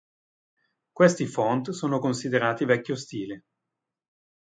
Questi font sono considerati vecchio stile.